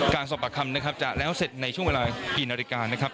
การสอบปากคำนะครับจะแล้วเสร็จในช่วงเวลากี่นาฬิกานะครับ